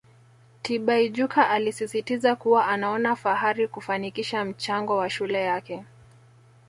Tibaijuka alisisitiza kuwa anaona fahari kufanikisha mchango wa shule yake